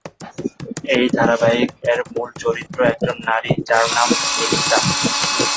এই ধারাবাহিক এর মূল চরিত্র একজন নারী যার নাম নিকিতা।